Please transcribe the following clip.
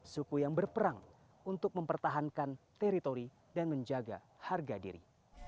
suku yang berperang untuk mempertahankan teritori dan menjaga harga diri